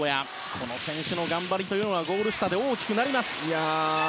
この選手の頑張りはゴール下で大きくなります。